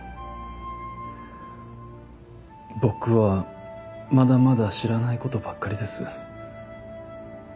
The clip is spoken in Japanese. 僕はまだまだ知らない事ばっかりです。